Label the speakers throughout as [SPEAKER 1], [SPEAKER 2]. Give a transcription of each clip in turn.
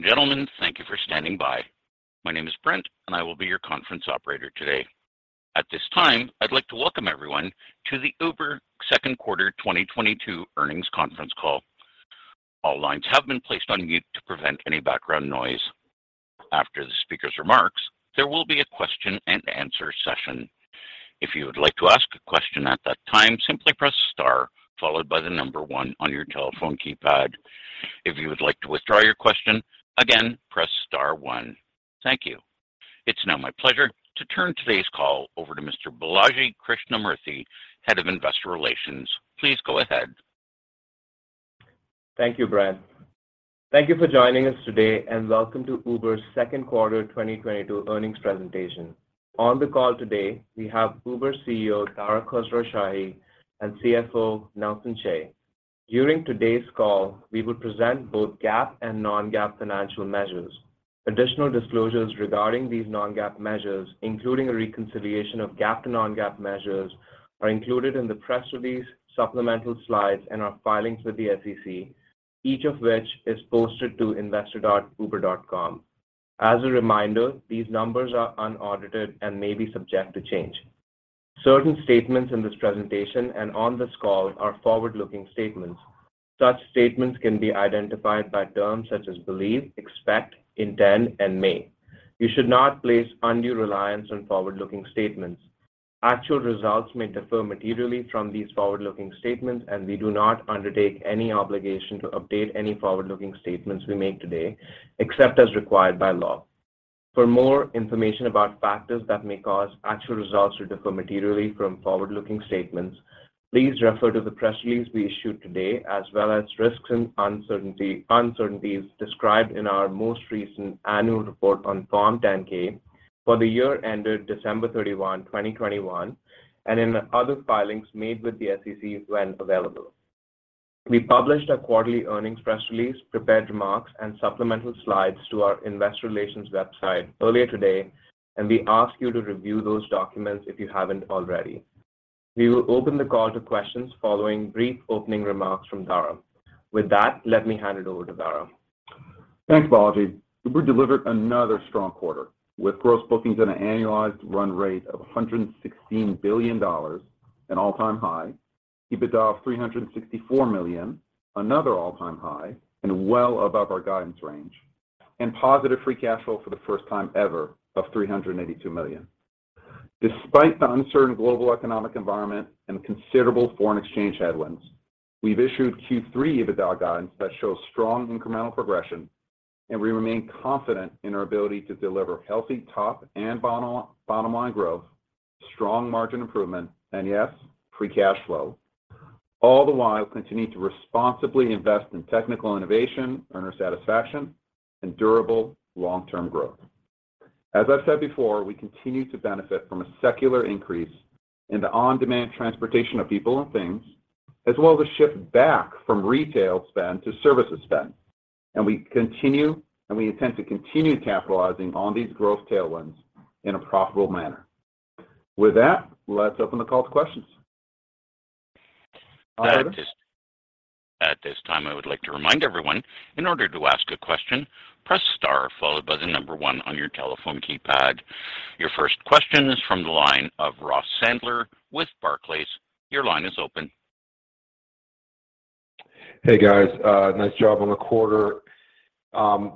[SPEAKER 1] Ladies and gentlemen, thank you for standing by. My name is Brent, and I will be your conference operator today. At this time, I'd like to welcome everyone to the Uber Second Quarter 2022 Earnings Conference Call. All lines have been placed on mute to prevent any background noise. After the speaker's remarks, there will be a question-and-answer session. If you would like to ask a question at that time, simply press star followed by the number one on your telephone keypad. If you would like to withdraw your question, again, press star one. Thank you. It's now my pleasure to turn today's call over to Mr. Balaji Krishnamurthy, Head of Investor Relations. Please go ahead.
[SPEAKER 2] Thank you, Brent. Thank you for joining us today and welcome to Uber's second quarter 2022 earnings presentation. On the call today, we have Uber CEO, Dara Khosrowshahi, and CFO, Nelson Chai. During today's call, we will present both GAAP and non-GAAP financial measures. Additional disclosures regarding these non-GAAP measures, including a reconciliation of GAAP to non-GAAP measures, are included in the press release, supplemental slides, and our filings with the SEC, each of which is posted to investor.uber.com. As a reminder, these numbers are unaudited and may be subject to change. Certain statements in this presentation and on this call are forward-looking statements. Such statements can be identified by terms such as believe, expect, intend, and may. You should not place undue reliance on forward-looking statements. Actual results may differ materially from these forward-looking statements, and we do not undertake any obligation to update any forward-looking statements we make today, except as required by law. For more information about factors that may cause actual results to differ materially from forward-looking statements, please refer to the press release we issued today, as well as risks and uncertainties described in our most recent annual report on Form 10-K for the year ended December 31, 2021, and in other filings made with the SEC when available. We published our quarterly earnings press release, prepared remarks, and supplemental slides to our investor relations website earlier today, and we ask you to review those documents if you haven't already. We will open the call to questions following brief opening remarks from Dara. With that, let me hand it over to Dara.
[SPEAKER 3] Thanks, Balaji. Uber delivered another strong quarter with gross bookings at an annualized run rate of $116 billion, an all-time high, EBITDA of $364 million, another all-time high and well above our guidance range, and positive free cash flow for the first time ever of $382 million. Despite the uncertain global economic environment and considerable foreign exchange headwinds, we've issued Q3 EBITDA guidance that shows strong incremental progression, and we remain confident in our ability to deliver healthy top and bottom-line growth, strong margin improvement, and yes, free cash flow, all the while continuing to responsibly invest in technical innovation, earner satisfaction, and durable long-term growth. As I've said before, we continue to benefit from a secular increase in the on-demand transportation of people and things, as well as a shift back from retail spend to services spend. We intend to continue capitalizing on these growth tailwinds in a profitable manner. With that, let's open the call to questions. Operator?
[SPEAKER 1] At this time, I would like to remind everyone, in order to ask a question, press star followed by the number one on your telephone keypad. Your first question is from the line of Ross Sandler with Barclays. Your line is open.
[SPEAKER 4] Hey, guys. Nice job on the quarter.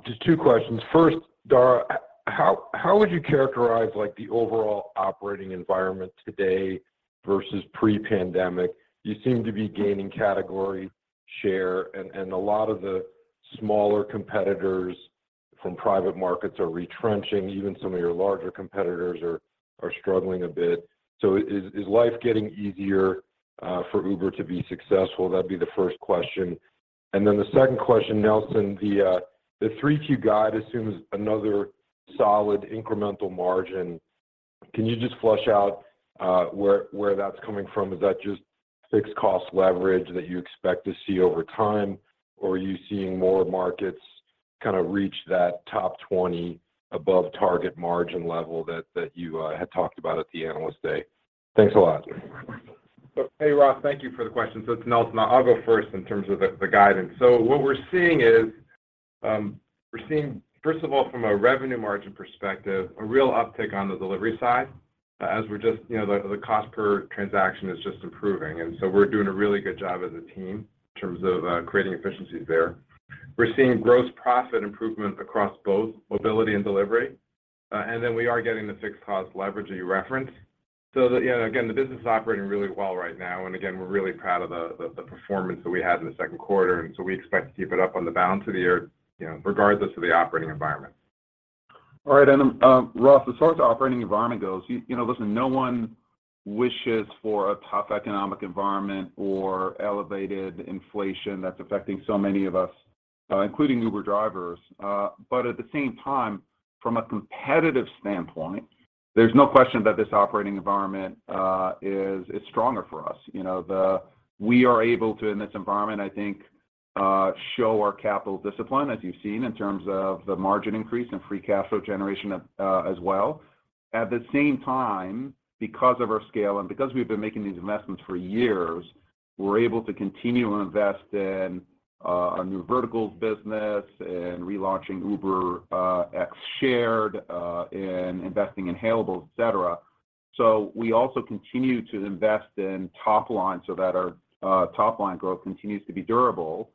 [SPEAKER 4] Just two questions. First, Dara, how would you characterize, like, the overall operating environment today versus pre-pandemic? You seem to be gaining category share, and a lot of the smaller competitors from private markets are retrenching. Even some of your larger competitors are struggling a bit. So is life getting easier for Uber to be successful? That'd be the first question. The second question, Nelson, the 3Q guide assumes another solid incremental margin. Can you just flesh out where that's coming from? Is that just fixed cost leverage that you expect to see over time, or are you seeing more markets kinda reach that top 20 above target margin level that you had talked about at the Analyst Day? Thanks a lot.
[SPEAKER 5] Hey, Ross. Thank you for the question. It's Nelson. I'll go first in terms of the guidance. What we're seeing is, we're seeing, first of all, from a revenue margin perspective, a real uptick on the delivery side as we're just, you know, the cost per transaction is just improving. We're doing a really good job as a team in terms of creating efficiencies there. We're seeing gross profit improvement across both mobility and delivery, and then we are getting the fixed cost leverage that you referenced. The, you know, again, the business is operating really well right now, and again, we're really proud of the performance that we had in the second quarter, and we expect to keep it up on the balance of the year, you know, regardless of the operating environment. All right.
[SPEAKER 3] Ross, as far as the operating environment goes, you know, listen, no one wishes for a tough economic environment or elevated inflation that's affecting so many of us, including Uber drivers. But at the same time, from a competitive standpoint, there's no question that this operating environment is stronger for us. You know, we are able to, in this environment, I think, show our capital discipline, as you've seen in terms of the margin increase and free cash flow generation, as well. At the same time, because of our scale and because we've been making these investments for years, we're able to continue to invest in our new verticals business and relaunching UberX Share, and investing in Hailables, et cetera. We also continue to invest in top line so that our top line growth continues to be durable.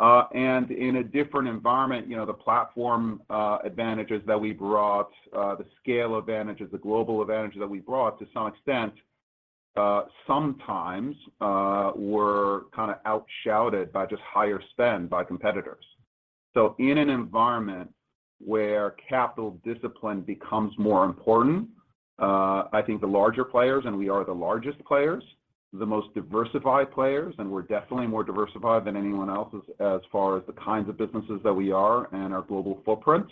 [SPEAKER 3] In a different environment, you know, the platform advantages that we brought, the scale advantages, the global advantages that we brought to some extent, sometimes, were kind of outshouted by just higher spend by competitors. In an environment where capital discipline becomes more important, I think the larger players, and we are the largest players, the most diversified players, and we're definitely more diversified than anyone else as far as the kinds of businesses that we are and our global footprint.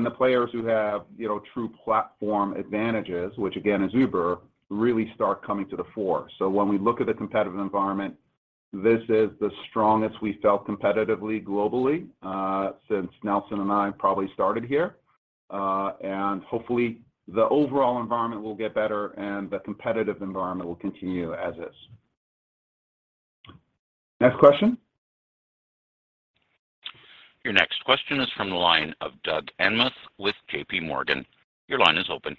[SPEAKER 3] The players who have, you know, true platform advantages, which again is Uber, really start coming to the fore. When we look at the competitive environment, this is the strongest we felt competitively, globally, since Nelson and I probably started here. Hopefully the overall environment will get better and the competitive environment will continue as is. Next question.
[SPEAKER 1] Your next question is from the line of Doug Anmuth with JPMorgan. Your line is open.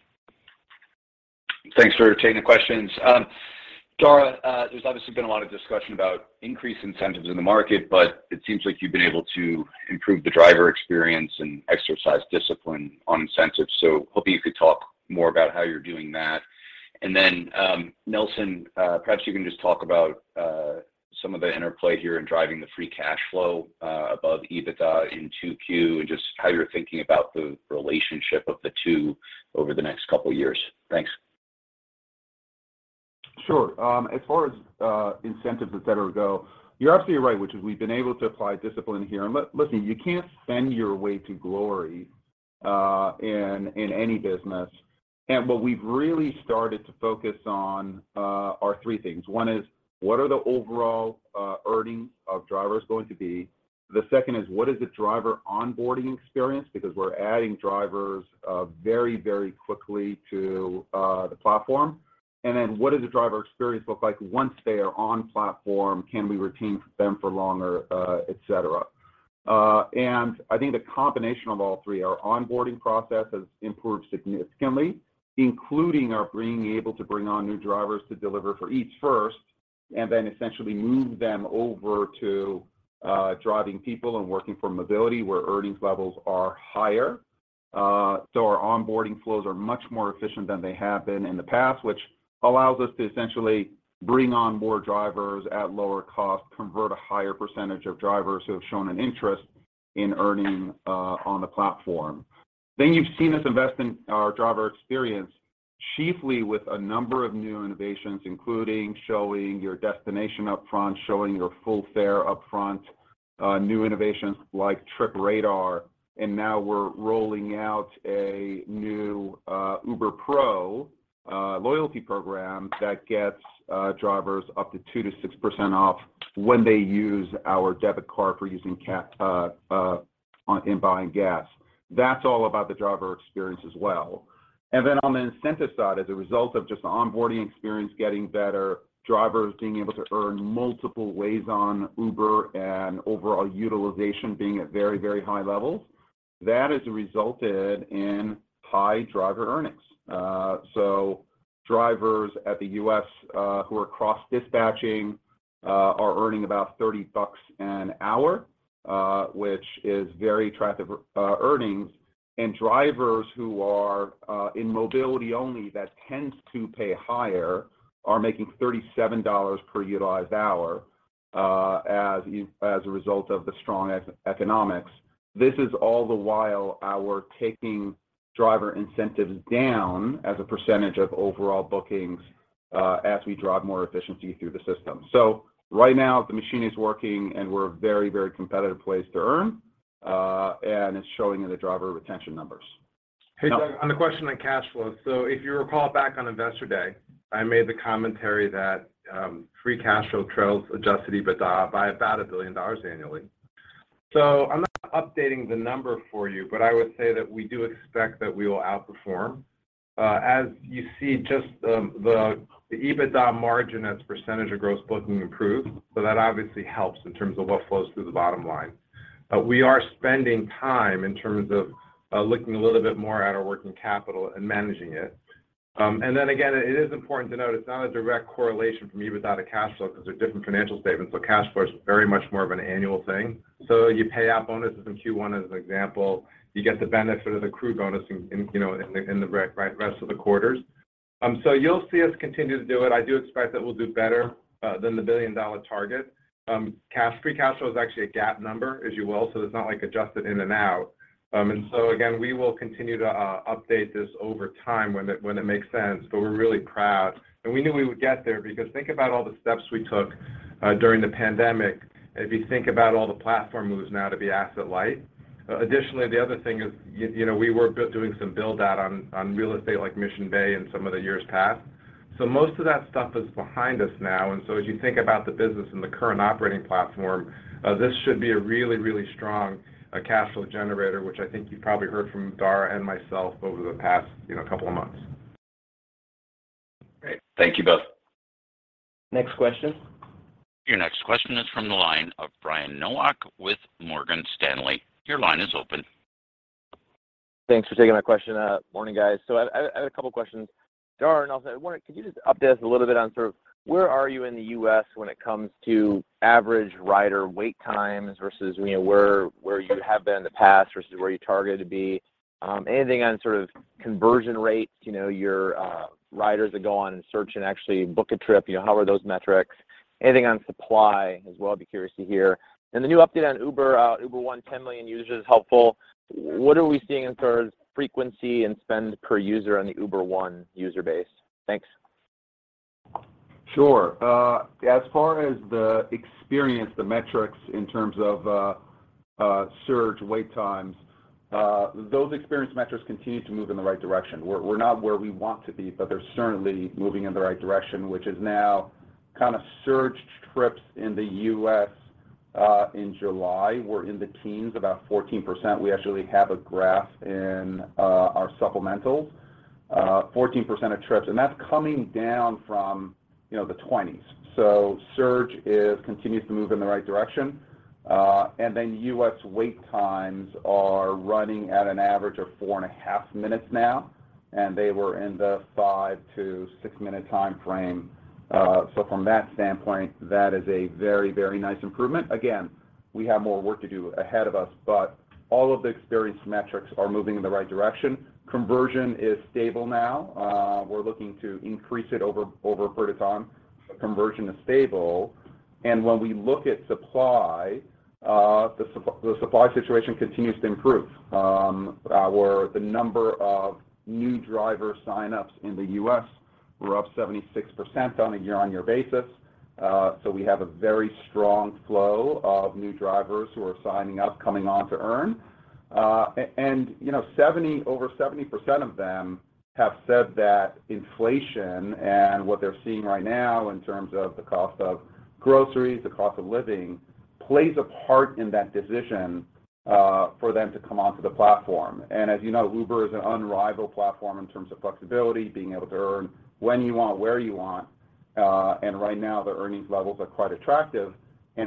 [SPEAKER 6] Thanks for taking the questions. Dara, there's obviously been a lot of discussion about increased incentives in the market, but it seems like you've been able to improve the driver experience and exercise discipline on incentives. Hoping you could talk more about how you're doing that. Nelson, perhaps you can just talk about some of the interplay here in driving the free cash flow above EBITDA in 2Q and just how you're thinking about the relationship of the two over the next couple of years. Thanks.
[SPEAKER 3] Sure. As far as incentives, et cetera, go, you're absolutely right, which is we've been able to apply discipline here. Listen, you can't spend your way to glory, in any business. What we've really started to focus on are three things. One is, what are the overall earnings of drivers going to be? The second is, what is the driver onboarding experience? Because we're adding drivers very, very quickly to the platform. What does the driver experience look like once they are on platform? Can we retain them for longer, et cetera? I think the combination of all three, our onboarding process has improved significantly, including our being able to bring on new drivers to deliver for Eats first and then essentially move them over to driving people and working for mobility where earnings levels are higher. Our onboarding flows are much more efficient than they have been in the past, which allows us to essentially bring on more drivers at lower cost, convert a higher percentage of drivers who have shown an interest in earning on the platform. You've seen us invest in our driver experience, chiefly with a number of new innovations, including showing your destination up front, showing your full fare up front, new innovations like Trip Radar. Now we're rolling out a new Uber Pro loyalty program that gets drivers up to 2%-6% off when they use our debit card for using in buying gas. That's all about the driver experience as well. On the incentive side, as a result of just the onboarding experience getting better, drivers being able to earn multiple ways on Uber and overall utilization being at very high levels, that has resulted in high driver earnings. Drivers in the U.S. who are cross-dispatching are earning about $30 an hour, which is very attractive earnings. Drivers who are in mobility only that tends to pay higher are making $37 per utilized hour, as a result of the strong economics. This is all the while we're taking driver incentives down as a percentage of overall bookings, as we drive more efficiency through the system. Right now, the machine is working, and we're a very, very competitive place to earn, and it's showing in the driver retention numbers.
[SPEAKER 5] Hey, Doug, on the question on cash flow. If you recall back on Investor Day, I made the commentary that free cash flow trails Adjusted EBITDA by about $1 billion annually. I'm not updating the number for you, but I would say that we do expect that we will outperform. As you see just the EBITDA margin as percentage of gross booking improved. That obviously helps in terms of what flows through the bottom line. We are spending time in terms of looking a little bit more at our working capital and managing it. And then again, it is important to note it's not a direct correlation from EBITDA to cash flow 'cause they're different financial statements. Cash flow is very much more of an annual thing. You pay out bonuses in Q1 as an example. You get the benefit of the crew bonus in you know, in the rest of the quarters. You'll see us continue to do it. I do expect that we'll do better than the billion-dollar target. Free cash flow is actually a GAAP number, as you will, so it's not like adjusted in and out. Again, we will continue to update this over time when it makes sense, but we're really proud. We knew we would get there because think about all the steps we took during the pandemic. If you think about all the platform moves now to be asset light. Additionally, the other thing is, you know, we were doing some build out on real estate like Mission Bay in some of the years past. Most of that stuff is behind us now. As you think about the business and the current operating platform, this should be a really, really strong cash flow generator, which I think you've probably heard from Dara and myself over the past, you know, couple of months.
[SPEAKER 6] Great. Thank you both.
[SPEAKER 3] Next question.
[SPEAKER 1] Your next question is from the line of Brian Nowak with Morgan Stanley. Your line is open.
[SPEAKER 7] Thanks for taking my question. Morning, guys. I had a couple questions, Dara, and also I wondered, could you just update us a little bit on sort of where are you in the U.S. when it comes to average rider wait times versus, you know, where you have been in the past versus where you targeted to be? Anything on sort of conversion rates, you know, your riders that go on and search and actually book a trip, you know, how are those metrics? Anything on supply as well, I'd be curious to hear. The new update on Uber One, 10 million users, helpful. What are we seeing in terms of frequency and spend per user on the Uber One user base? Thanks.
[SPEAKER 3] Sure. As far as the experience, the metrics in terms of surge, wait times, those experience metrics continue to move in the right direction. We're not where we want to be, but they're certainly moving in the right direction, which is now kind of surge trips in the U.S. in July were in the teens, about 14%. We actually have a graph in our supplementals, 14% of trips, and that's coming down from, you know, the 20s. Surge continues to move in the right direction. U.S. wait times are running at an average of 4.5 minutes now, and they were in the five to six minute timeframe. From that standpoint, that is a very, very nice improvement. Again, we have more work to do ahead of us, but all of the experience metrics are moving in the right direction. Conversion is stable now. We're looking to increase it over a period of time. Conversion is stable, and when we look at supply, the supply situation continues to improve, where the number of new driver sign-ups in the U.S. were up 76% on a year-on-year basis. We have a very strong flow of new drivers who are signing up, coming on to earn. And, you know, over 70% of them have said that inflation and what they're seeing right now in terms of the cost of groceries, the cost of living, plays a part in that decision for them to come onto the platform. As you know, Uber is an unrivaled platform in terms of flexibility, being able to earn when you want, where you want, and right now, the earnings levels are quite attractive.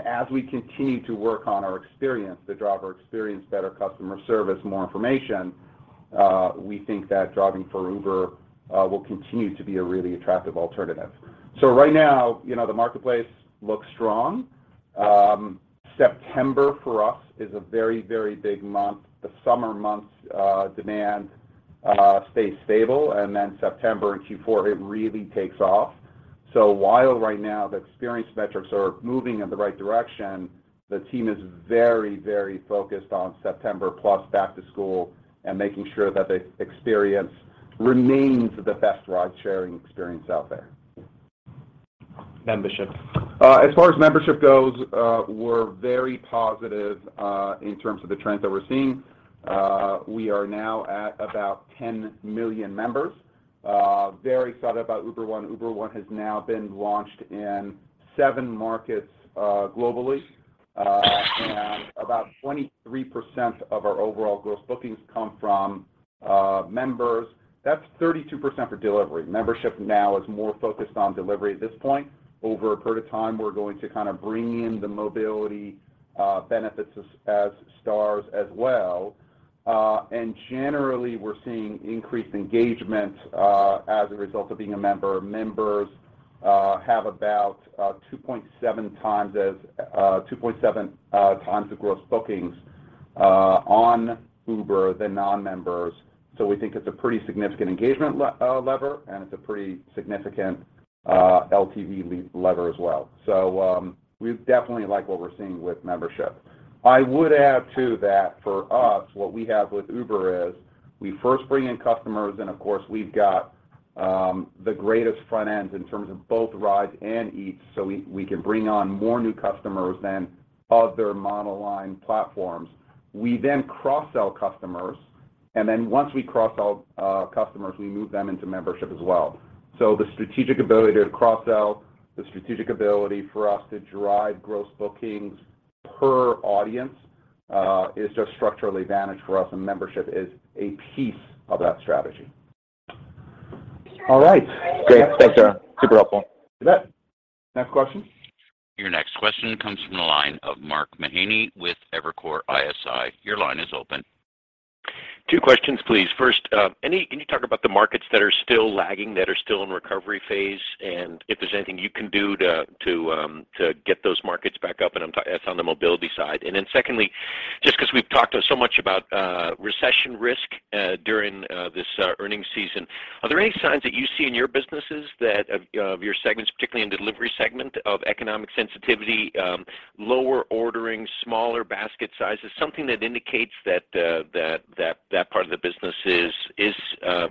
[SPEAKER 3] As we continue to work on our experience, the driver experience, better customer service, more information, we think that driving for Uber will continue to be a really attractive alternative. Right now, you know, the marketplace looks strong. September for us is a very, very big month. The summer months, demand stays stable, and then September in Q4, it really takes off. While right now the experience metrics are moving in the right direction, the team is very, very focused on September plus back to school and making sure that the experience remains the best ridesharing experience out there.
[SPEAKER 7] Membership.
[SPEAKER 3] As far as membership goes, we're very positive in terms of the trends that we're seeing. We are now at about 10 million members. Very excited about Uber One. Uber One has now been launched in seven markets globally. About 23% of our overall gross bookings come from members. That's 32% for delivery. Membership now is more focused on delivery at this point. Over a period of time, we're going to kind of bring in the mobility benefits as assets as well. Generally, we're seeing increased engagement as a result of being a member. Members have about 2.7x the gross bookings on Uber than non-members. We think it's a pretty significant engagement lever, and it's a pretty significant LTV lever as well. We definitely like what we're seeing with membership. I would add too that for us, what we have with Uber is we first bring in customers, and of course, we've got the greatest front end in terms of both rides and Eats, so we can bring on more new customers than other monoline platforms. We then cross-sell customers, and then once we cross-sell customers, we move them into membership as well. The strategic ability to cross-sell, the strategic ability for us to drive gross bookings per audience, is just structurally advantaged for us, and membership is a piece of that strategy.
[SPEAKER 7] All right. Great. Thanks, Dara. Super helpful.
[SPEAKER 3] You bet. Next question.
[SPEAKER 1] Your next question comes from the line of Mark Mahaney with Evercore ISI. Your line is open.
[SPEAKER 8] Two questions, please. First, can you talk about the markets that are still lagging, that are still in recovery phase, and if there's anything you can do to get those markets back up? That's on the mobility side. Secondly, just 'cause we've talked so much about recession risk during this earnings season, are there any signs that you see in your businesses that of your segments, particularly in delivery segment, of economic sensitivity, lower ordering, smaller basket sizes, something that indicates that that part of the business is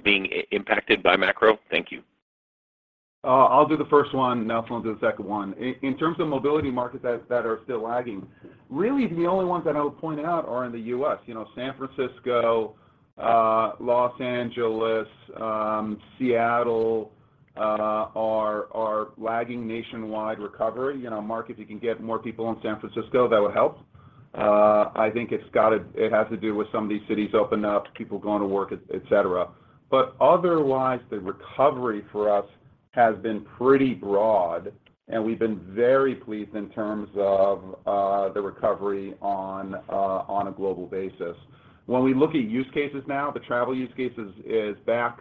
[SPEAKER 8] being impacted by macro? Thank you.
[SPEAKER 3] I'll do the first one, and Nelson will do the second one. In terms of mobility markets that are still lagging, really the only ones that I would point out are in the U.S. You know, San Francisco, Los Angeles, Seattle are lagging nationwide recovery. You know, markets, you can get more people in San Francisco, that would help. I think it has to do with some of these cities opening up, people going to work, etc. Otherwise, the recovery for us has been pretty broad, and we've been very pleased in terms of the recovery on a global basis. When we look at use cases now, the travel use case is back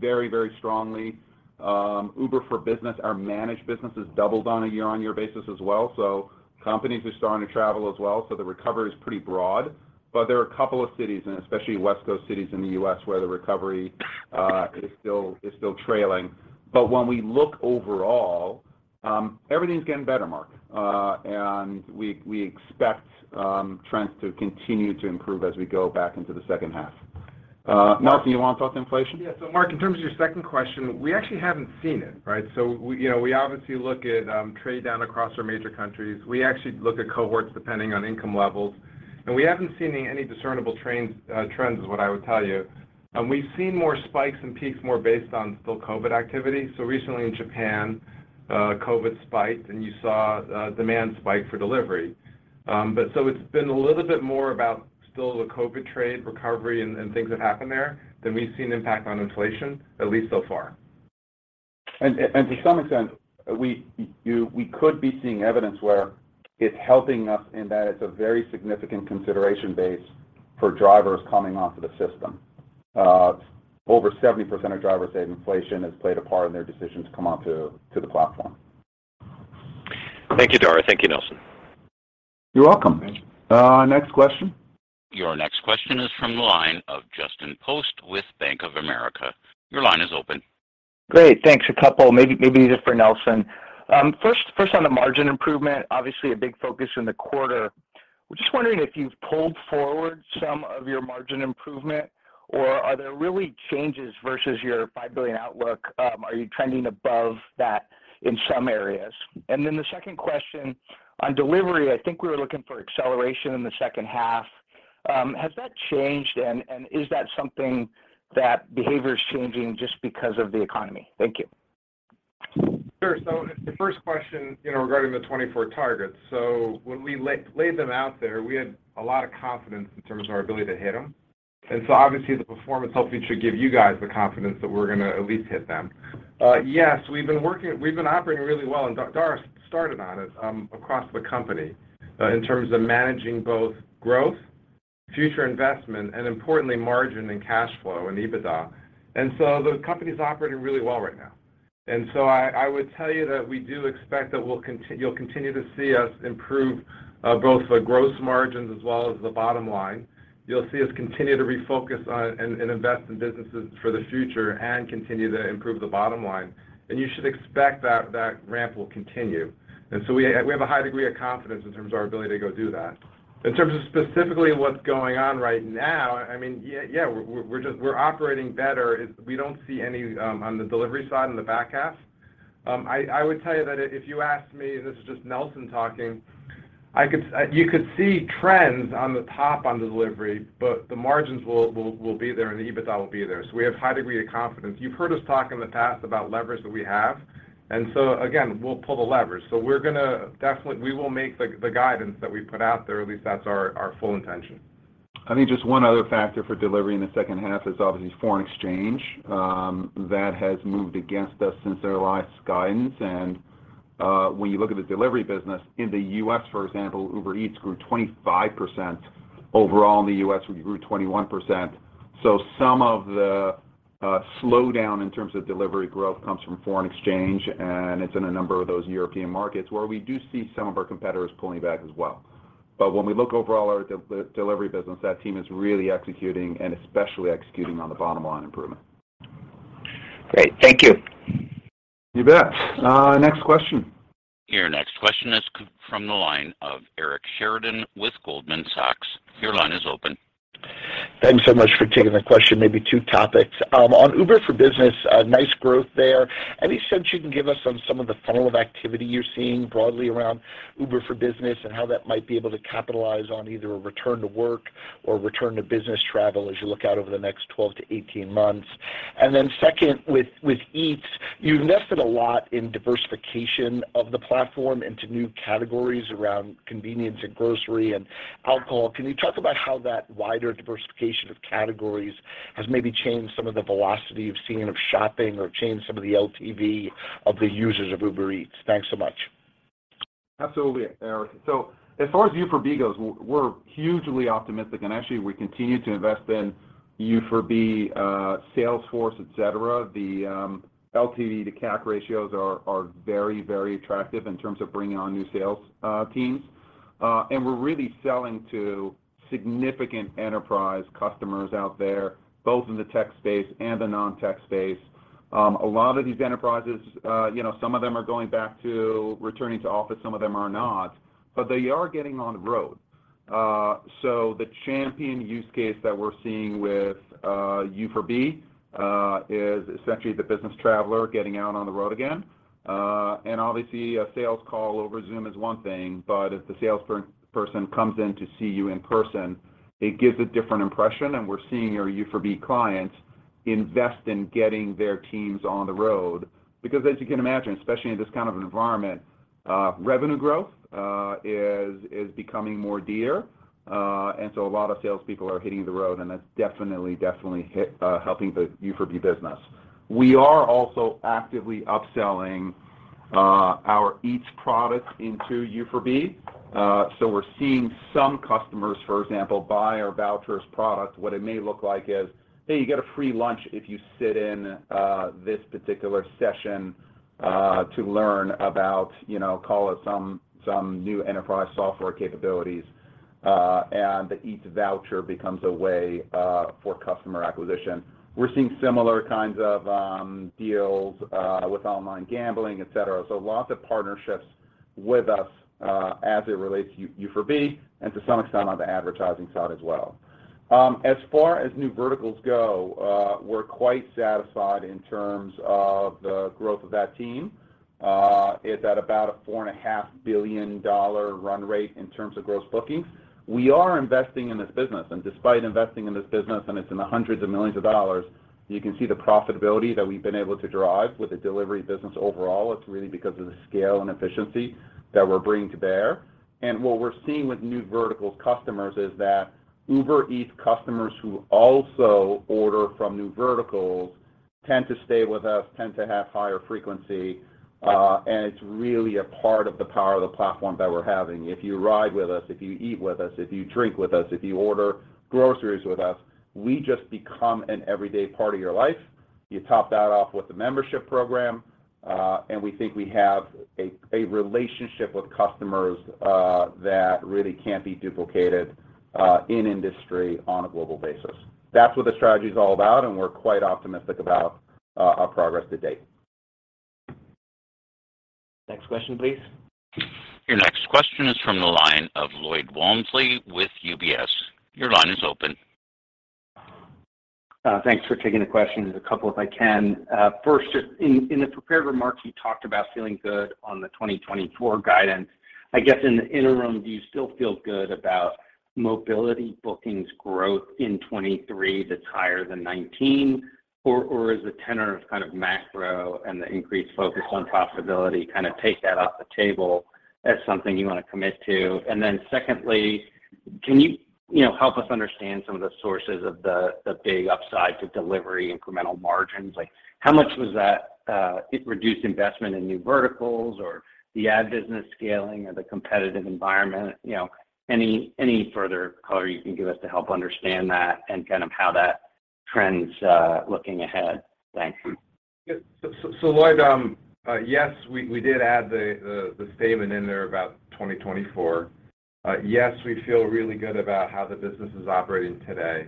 [SPEAKER 3] very, very strongly. Uber for Business, our managed business, has doubled on a year-on-year basis as well, so companies are starting to travel as well, so the recovery is pretty broad. There are a couple of cities, and especially West Coast cities in the U.S., where the recovery is still trailing. When we look overall, everything's getting better, Mark. We expect trends to continue to improve as we go back into the second half. Nelson, you wanna talk inflation?
[SPEAKER 5] Yeah. Mark, in terms of your second question, we actually haven't seen it, right? We, you know, obviously look at trade down across our major countries. We actually look at cohorts depending on income levels. We haven't seen any discernible trends is what I would tell you. We've seen more spikes and peaks more based on still COVID activity. Recently in Japan, COVID spiked, and you saw demand spike for delivery. It's been a little bit more about still the COVID trade recovery and to some extent, we could be seeing evidence where it's helping us in that it's a very significant consideration base for drivers coming onto the system. Over 70% of drivers say inflation has played a part in their decision to come onto the platform.
[SPEAKER 8] Thank you, Dara. Thank you, Nelson.
[SPEAKER 3] You're welcome.
[SPEAKER 5] Thank you.
[SPEAKER 3] Next question.
[SPEAKER 1] Your next question is from the line of Justin Post with Bank of America. Your line is open.
[SPEAKER 9] Great. Thanks. A couple, maybe just for Nelson. First on the margin improvement, obviously a big focus in the quarter. We're just wondering if you've pulled forward some of your margin improvement or are there really changes versus your $5 billion outlook? Are you trending above that in some areas? Then the second question, on Delivery, I think we were looking for acceleration in the second half. Has that changed and is that something that behavior's changing just because of the economy? Thank you.
[SPEAKER 5] Sure. The first question, you know, regarding the 2024 targets. When we laid them out there, we had a lot of confidence in terms of our ability to hit them. Obviously the performance hopefully should give you guys the confidence that we're gonna at least hit them. Yes, we've been operating really well, and Dara started on it across the company in terms of managing both growth, future investment and importantly margin and cash flow and EBITDA. The company's operating really well right now. I would tell you that we do expect that you'll continue to see us improve both the gross margins as well as the bottom line. You'll see us continue to refocus on and invest in businesses for the future and continue to improve the bottom line. You should expect that ramp will continue. We have a high degree of confidence in terms of our ability to go do that. In terms of specifically what's going on right now, I mean, we're operating better. We don't see any on the Delivery side in the back half. I would tell you that if you asked me, this is just Nelson talking, you could see trends on the top on Delivery, but the margins will be there and the EBITDA will be there. We have high degree of confidence. You've heard us talk in the past about leverage that we have, and so again, we'll pull the leverage. We're gonna definitely. We will make the guidance that we put out there, at least that's our full intention.
[SPEAKER 3] I think just one other factor for Delivery in the second half is obviously foreign exchange that has moved against us since our last guidance. When you look at the Delivery business, in the U.S., for example, Uber Eats grew 25%. Overall in the U.S., we grew 21%. Some of the slowdown in terms of Delivery growth comes from foreign exchange, and it's in a number of those European markets where we do see some of our competitors pulling back as well. When we look overall at our Delivery business, that team is really executing and especially executing on the bottom line improvement.
[SPEAKER 9] Great. Thank you.
[SPEAKER 3] You bet. Next question.
[SPEAKER 1] Your next question is from the line of Eric Sheridan with Goldman Sachs. Your line is open.
[SPEAKER 10] Thanks so much for taking the question. Maybe two topics. On Uber for Business, nice growth there. Any sense you can give us on some of the funnel of activity you're seeing broadly around Uber for Business and how that might be able to capitalize on either a return to work or return to business travel as you look out over the next 12-18 months? Second, with Eats, you've invested a lot in diversification of the platform into new categories around convenience and grocery and alcohol. Can you talk about how that wider diversification of categories has maybe changed some of the velocity you've seen of shopping or changed some of the LTV of the users of Uber Eats? Thanks so much.
[SPEAKER 3] Absolutely, Eric. As far as U4B goes, we're hugely optimistic, and actually we continue to invest in U4B, Salesforce, et cetera. The LTV to CAC ratios are very, very attractive in terms of bringing on new sales teams. We're really selling to significant enterprise customers out there, both in the tech space and the non-tech space. A lot of these enterprises, you know, some of them are going back to returning to office, some of them are not, but they are getting on the road. The champion use case that we're seeing with U4B is essentially the business traveler getting out on the road again. Obviously a sales call over Zoom is one thing, but if the salesperson comes in to see you in person, it gives a different impression, and we're seeing our U4B clients invest in getting their teams on the road. Because as you can imagine, especially in this kind of environment, revenue growth is becoming more dear. A lot of salespeople are hitting the road, and that's definitely helping the U4B business. We are also actively upselling our Eats products into U4B. We're seeing some customers, for example, buy our vouchers product. What it may look like is, "Hey, you get a free lunch if you sit in this particular session to learn about, you know, call it some new enterprise software capabilities. The Eats voucher becomes a way for customer acquisition. We're seeing similar kinds of deals with online gambling, et cetera. Lots of partnerships with us as it relates to U4B, and to some extent on the advertising side as well. As far as new verticals go, we're quite satisfied in terms of the growth of that team. It's at about a $4.5 billion run rate in terms of gross bookings. We are investing in this business, and despite investing in this business, and it's in the hundreds of millions of dollars, you can see the profitability that we've been able to drive with the delivery business overall. It's really because of the scale and efficiency that we're bringing to bear. What we're seeing with new verticals customers is that Uber Eats customers who also order from new verticals tend to stay with us, tend to have higher frequency, and it's really a part of the power of the platform that we're having. If you ride with us, if you eat with us, if you drink with us, if you order groceries with us, we just become an everyday part of your life. You top that off with the membership program, and we think we have a relationship with customers that really can't be duplicated in industry on a global basis. That's what the strategy is all about, and we're quite optimistic about our progress to date. Next question, please.
[SPEAKER 1] Your next question is from the line of Lloyd Walmsley with UBS. Your line is open.
[SPEAKER 11] Thanks for taking the question. There's a couple if I can. First, just in the prepared remarks, you talked about feeling good on the 2024 guidance. I guess, in the interim, do you still feel good about mobility bookings growth in 2023 that's higher than 2019? Or as a tenor of kind of macro and the increased focus on profitability kind of take that off the table as something you want to commit to. Then secondly, can you know, help us understand some of the sources of the big upside to delivery incremental margins? Like, how much was that, it reduced investment in new verticals or the ad business scaling or the competitive environment? You know, any further color you can give us to help understand that and kind of how that's looking ahead. Thanks.
[SPEAKER 3] Yeah. Lloyd, yes, we did add the statement in there about 2024. Yes, we feel really good about how the business is operating today.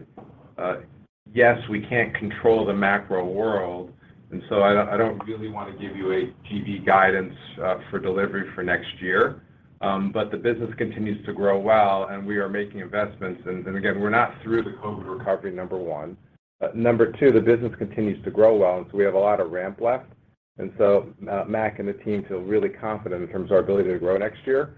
[SPEAKER 3] Yes, we can't control the macro world, and so I don't really want to give you a GB guidance for delivery for next year. The business continues to grow well, and we are making investments. Again, we're not through the COVID recovery, number one. Number two, the business continues to grow well, and so we have a lot of ramp left. Mack and the team feel really confident in terms of our ability to grow next year.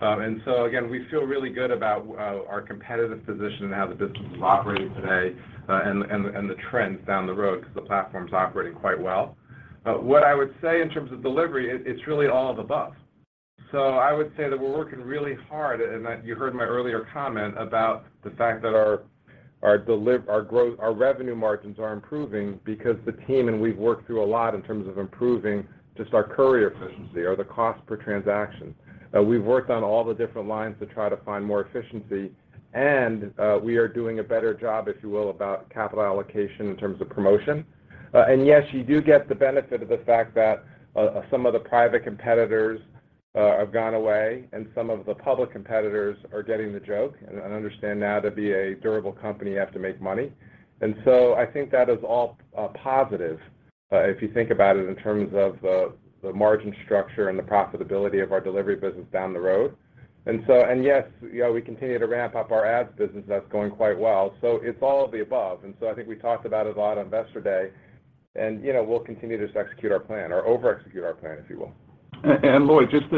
[SPEAKER 3] Again, we feel really good about our competitive position and how the business is operating today, and the trends down the road because the platform's operating quite well. What I would say in terms of delivery, it's really all of the above. I would say that we're working really hard. You heard my earlier comment about the fact that our growth, our revenue margins are improving because the team, and we've worked through a lot in terms of improving just our courier efficiency or the cost per transaction. We've worked on all the different lines to try to find more efficiency, and we are doing a better job, if you will, about capital allocation in terms of promotion. Yes, you do get the benefit of the fact that some of the private competitors have gone away and some of the public competitors are getting the joke and understand now to be a durable company, you have to make money. I think that is all positive if you think about it in terms of the margin structure and the profitability of our delivery business down the road. Yes, you know, we continue to ramp up our ads business. That's going quite well. It's all of the above. I think we talked about it a lot on Investor Day and, you know, we'll continue to just execute our plan or over-execute our plan, if you will. Lloyd, just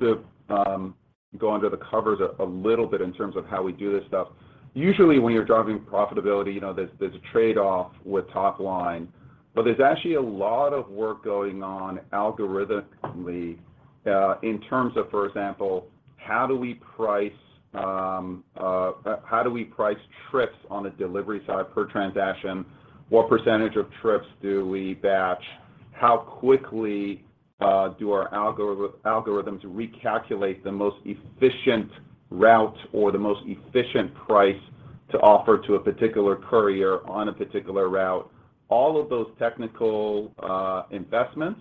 [SPEAKER 3] to go under the covers a little bit in terms of how we do this stuff. Usually, when you're driving profitability, there's a trade-off with top line. There's actually a lot of work going on algorithmically in terms of, for example, how do we price trips on the delivery side per transaction? What percentage of trips do we batch? How quickly do our algorithms recalculate the most efficient route or the most efficient price to offer to a particular courier on a particular route? All of those technical investments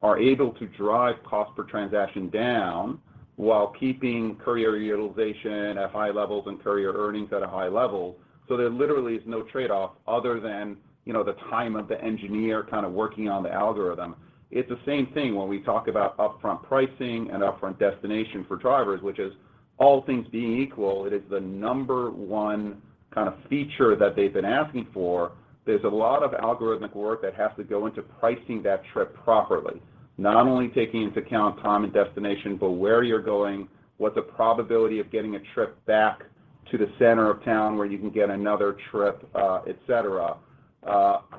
[SPEAKER 3] are able to drive cost per transaction down while keeping courier utilization at high levels and courier earnings at a high level. There literally is no trade-off other than, you know, the time of the engineer kind of working on the algorithm. It's the same thing when we talk about upfront pricing and upfront destination for drivers, which is all things being equal, it is the number one kind of feature that they've been asking for. There's a lot of algorithmic work that has to go into pricing that trip properly, not only taking into account time and destination, but where you're going, what the probability of getting a trip back to the center of town where you can get another trip, et cetera.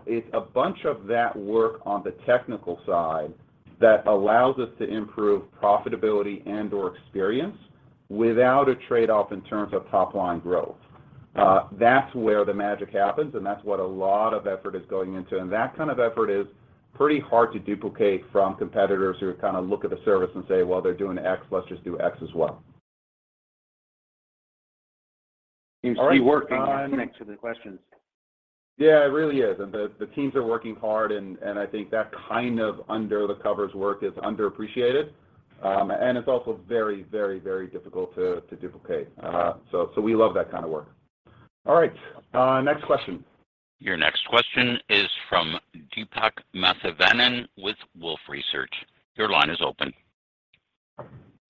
[SPEAKER 3] It's a bunch of that work on the technical side that allows us to improve profitability and/or experience without a trade-off in terms of top-line growth. That's where the magic happens, and that's what a lot of effort is going into. That kind of effort is pretty hard to duplicate from competitors who kind of look at the service and say, "Well, they're doing X, let's just do X as well.
[SPEAKER 11] Seems to be working.
[SPEAKER 3] All right. On to the next question. Yeah, it really is, and the teams are working hard, and I think that kind of under-the-covers work is underappreciated, and it's also very difficult to duplicate. We love that kind of work. All right, next question.
[SPEAKER 1] Your next question is from Deepak Mathivanan with Wolfe Research. Your line is open.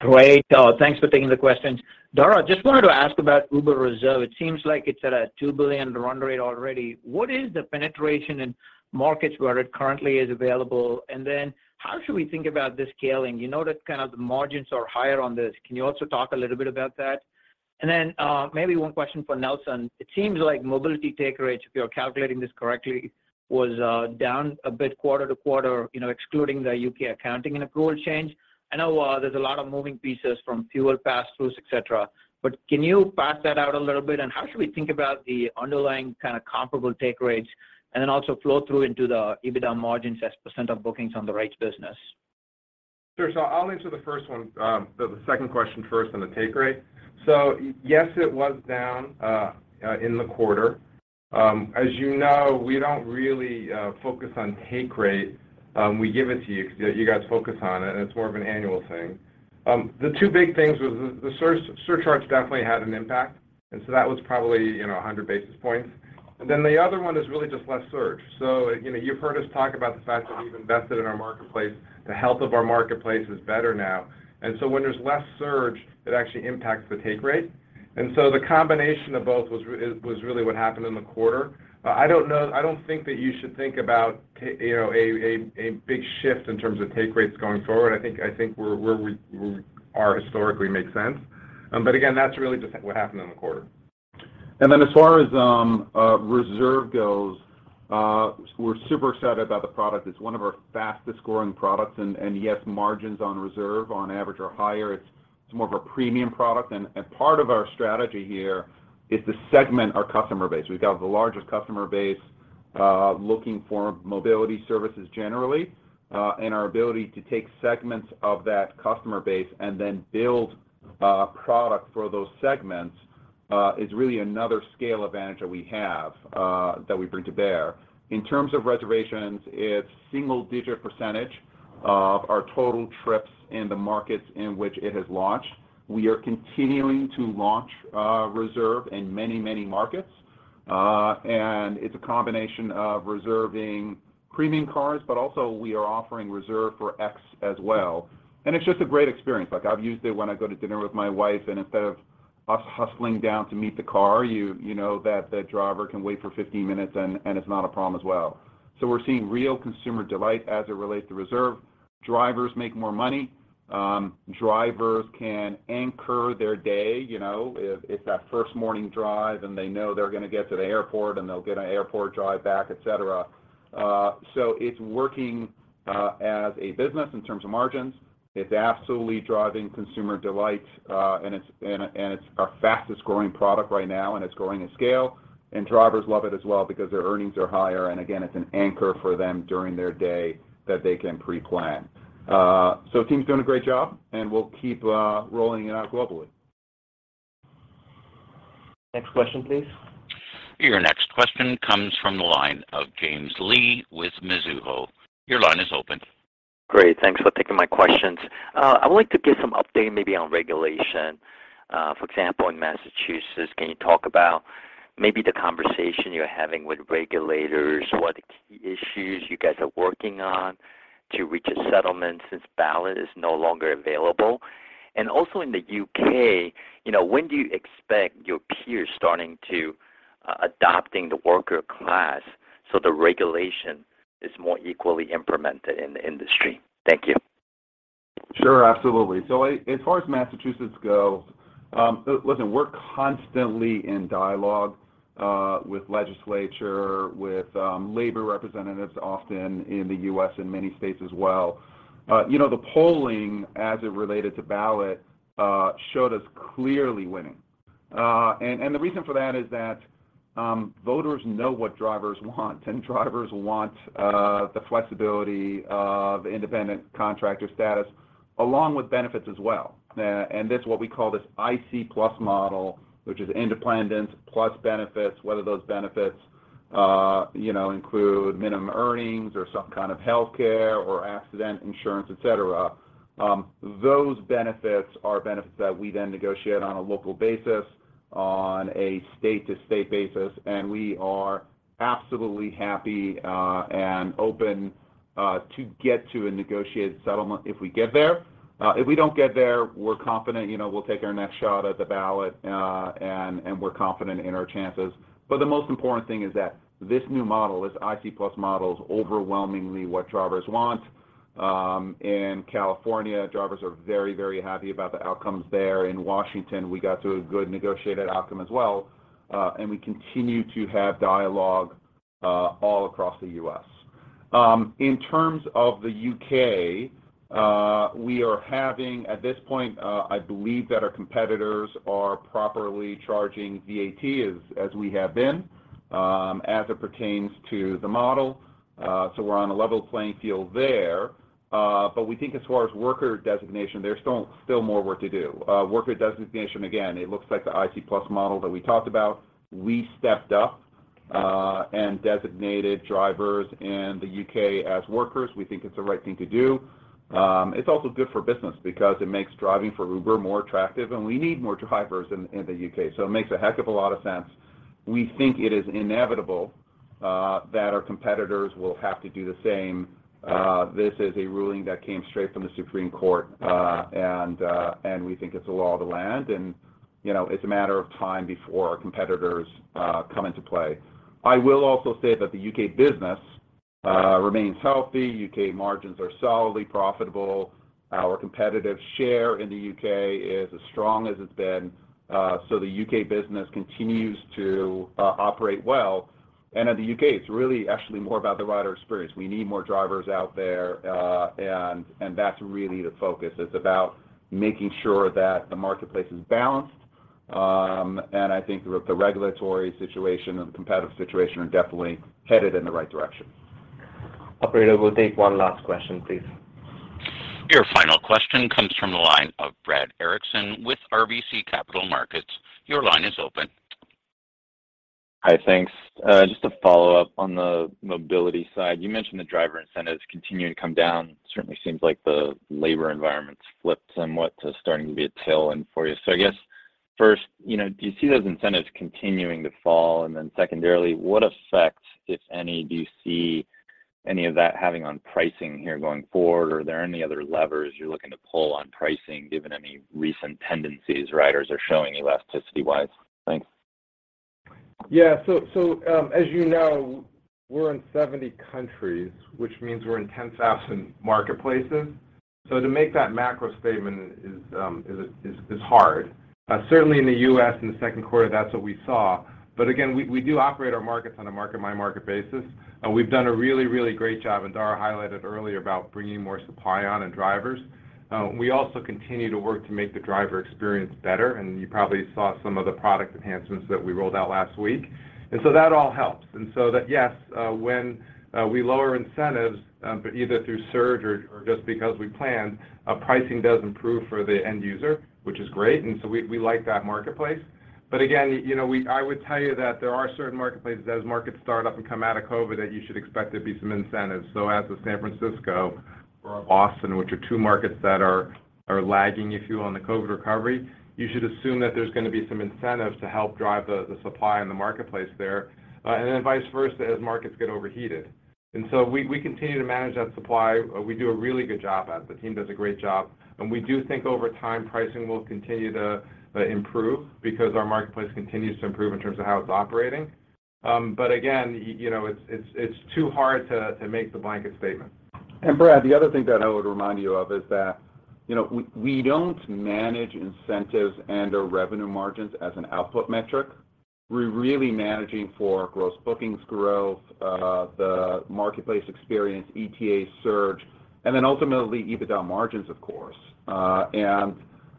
[SPEAKER 12] Great. Thanks for taking the questions. Dara, just wanted to ask about Uber Reserve. It seems like it's at a $2 billion run rate already. What is the penetration in markets where it currently is available? And then how should we think about the scaling? You know that kind of the margins are higher on this. Can you also talk a little bit about that? And then, maybe one question for Nelson. It seems like mobility take rates, if you're calculating this correctly, was down a bit quarter to quarter, you know, excluding the U.K. accounting and accrual change. I know there's a lot of moving pieces from fuel pass-throughs, et cetera, but can you parse that out a little bit? How should we think about the underlying kind of comparable take rates and then also flow through into the EBITDA margins as percent of bookings on the rides business?
[SPEAKER 3] Sure. I'll answer the first one, the second question first on the take rate. Yes, it was down in the quarter. As you know, we don't really focus on take rate. We give it to you 'cause you guys focus on it, and it's more of an annual thing. The two big things was the surcharges definitely had an impact. That was probably, you know, 100 basis points. The other one is really just less surge. You know, you've heard us talk about the fact that we've invested in our marketplace. The health of our marketplace is better now. When there's less surge, it actually impacts the take rate. The combination of both was really what happened in the quarter. I don't think that you should think about you know, a big shift in terms of take rates going forward. I think we're where we are historically makes sense. Again, that's really just what happened in the quarter. As far as Reserve goes, we're super excited about the product. It's one of our fastest-growing products. Yes, margins on Reserve on average are higher. It's more of a premium product. Part of our strategy here is to segment our customer base. We've got the largest customer base looking for mobility services generally, and our ability to take segments of that customer base and then build product for those segments is really another scale advantage that we have that we bring to bear. In terms of reservations, it's single digit percentage of our total trips in the markets in which it has launched. We are continuing to launch Reserve in many, many markets, and it's a combination of reserving premium cars, but also we are offering Reserve for X as well. It's just a great experience. Like, I've used it when I go to dinner with my wife, and instead of us hustling down to meet the car, you know that the driver can wait for 15 minutes and it's not a problem as well. We're seeing real consumer delight as it relates to Reserve. Drivers make more money. Drivers can anchor their day, you know. If it's that first morning drive, and they know they're gonna get to the airport, and they'll get an airport drive back, et cetera. It's working as a business in terms of margins. It's absolutely driving consumer delight. It's our fastest-growing product right now, and it's growing at scale. Drivers love it as well because their earnings are higher. Again, it's an anchor for them during their day that they can pre-plan. Team's doing a great job, and we'll keep rolling it out globally. Next question, please.
[SPEAKER 1] Your next question comes from the line of James Lee with Mizuho. Your line is open.
[SPEAKER 13] Great. Thanks for taking my questions. I would like to get some update maybe on regulation. For example, in Massachusetts, can you talk about maybe the conversation you're having with regulators, what key issues you guys are working on to reach a settlement since ballot is no longer available? Also in the U.K., you know, when do you expect your peers starting to adopting the worker class so the regulation is more equally implemented in the industry? Thank you.
[SPEAKER 3] Sure. Absolutely. I as far as Massachusetts goes, listen, we're constantly in dialogue with legislature, with labor representatives often in the U.S. and many states as well. You know, the polling as it related to ballot showed us clearly winning. The reason for that is that voters know what drivers want, and drivers want the flexibility of independent contractor status along with benefits as well. This what we call this IC+ model, which is independent plus benefits, whether those benefits you know include minimum earnings or some kind of healthcare or accident insurance, et cetera. Those benefits are benefits that we then negotiate on a local basis, on a state-to-state basis, and we are absolutely happy and open to get to a negotiated settlement if we get there. If we don't get there, we're confident, you know, we'll take our next shot at the ballot, and we're confident in our chances. The most important thing is that this new model, this IC+ model, is overwhelmingly what drivers want. In California, drivers are very, very happy about the outcomes there. In Washington, we got to a good negotiated outcome as well, and we continue to have dialogue all across the U.S. In terms of the U.K., we are having at this point, I believe that our competitors are properly charging VAT as we have been, as it pertains to the model. We're on a level playing field there. We think as far as worker designation, there's still more work to do. Worker designation, again, it looks like the IC+ model that we talked about. We stepped up and designated drivers in the U.K. as workers. We think it's the right thing to do. It's also good for business because it makes driving for Uber more attractive, and we need more drivers in the U.K., so it makes a heck of a lot of sense. We think it is inevitable that our competitors will have to do the same. This is a ruling that came straight from the Supreme Court, and we think it's the law of the land and, you know, it's a matter of time before our competitors come into play. I will also say that the U.K. business remains healthy, U.K. margins are solidly profitable. Our competitive share in the U.K. is as strong as it's been, so the U.K. business continues to operate well. In the U.K., it's really actually more about the rider experience. We need more drivers out there, and that's really the focus. It's about making sure that the marketplace is balanced. I think the regulatory situation and the competitive situation are definitely headed in the right direction. Operator, we'll take one last question, please.
[SPEAKER 1] Your final question comes from the line of Brad Erickson with RBC Capital Markets. Your line is open.
[SPEAKER 14] Hi. Thanks. Just to follow up on the mobility side, you mentioned the driver incentives continuing to come down. Certainly seems like the labor environment's flipped somewhat to starting to be a tailwind for you. I guess first, you know, do you see those incentives continuing to fall? And then secondarily, what effect, if any, do you see any of that having on pricing here going forward? Are there any other levers you're looking to pull on pricing given any recent tendencies riders are showing elasticity-wise? Thanks.
[SPEAKER 5] Yeah. As you know, we're in 70 countries, which means we're in 10,000 marketplaces. To make that macro statement is hard. Certainly in the U.S. in the second quarter, that's what we saw. Again, we do operate our markets on a market-by-market basis, and we've done a really great job, and Dara highlighted earlier about bringing more supply on and drivers. We also continue to work to make the driver experience better, and you probably saw some of the product enhancements that we rolled out last week. That all helps. That, yes, when we lower incentives, either through surge or just because we plan, pricing does improve for the end user, which is great. We like that marketplace. Again, you know, I would tell you that there are certain marketplaces, as markets start up and come out of COVID, that you should expect there'll be some incentives. As with San Francisco or Boston, which are two markets that are lagging, if you will, on the COVID recovery, you should assume that there's gonna be some incentives to help drive the supply in the marketplace there. Then vice versa as markets get overheated. We continue to manage that supply. We do a really good job at it. The team does a great job. We do think over time, pricing will continue to improve because our marketplace continues to improve in terms of how it's operating. Again, you know, it's too hard to make the blanket statement.
[SPEAKER 3] Brad, the other thing that I would remind you of is that, you know, we don't manage incentives and/or revenue margins as an output metric. We're really managing for gross bookings growth, the marketplace experience, ETA surge, and then ultimately EBITDA margins, of course.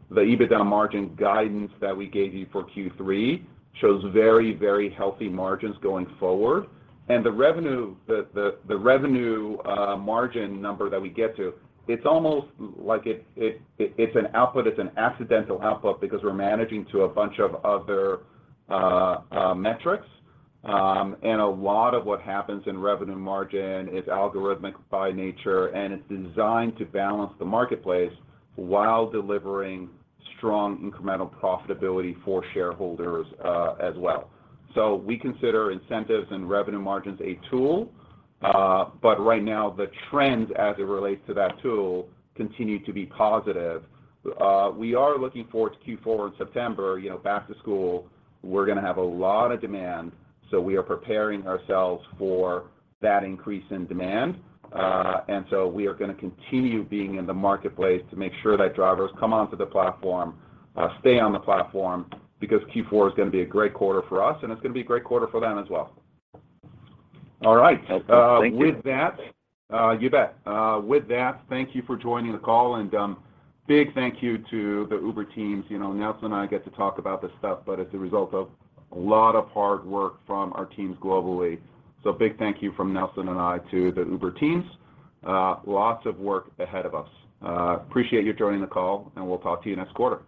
[SPEAKER 3] The EBITDA margin guidance that we gave you for Q3 shows very, very healthy margins going forward. The revenue margin number that we get to, it's almost like it's an output, it's an accidental output because we're managing to a bunch of other metrics. A lot of what happens in revenue margin is algorithmic by nature, and it's designed to balance the marketplace while delivering strong incremental profitability for shareholders, as well. We consider incentives and revenue margins a tool, but right now the trends as it relates to that tool continue to be positive. We are looking forward to Q4 in September, you know, back to school. We're gonna have a lot of demand, so we are preparing ourselves for that increase in demand. We are gonna continue being in the marketplace to make sure that drivers come onto the platform, stay on the platform because Q4 is gonna be a great quarter for us, and it's gonna be a great quarter for them as well. All right.
[SPEAKER 14] Thank you.
[SPEAKER 3] With that, thank you for joining the call and big thank you to the Uber teams. You know, Nelson and I get to talk about this stuff, but it's a result of a lot of hard work from our teams globally. Big thank you from Nelson and I to the Uber teams. Lots of work ahead of us. Appreciate you joining the call, and we'll talk to you next quarter.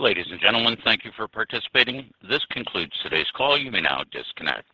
[SPEAKER 1] Ladies and gentlemen, thank you for participating. This concludes today's call. You may now disconnect.